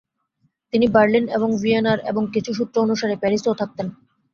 তিনি বার্লিন এবং ভিয়েনায় এবং কিছু সূত্র অনুসারে প্যারিসেও থাকতেন।